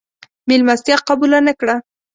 مېلمستیا قبوله نه کړه.